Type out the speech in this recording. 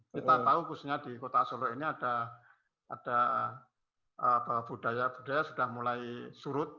kita tahu khususnya di kota solo ini ada budaya budaya sudah mulai surut